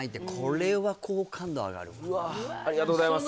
うわっありがとうございます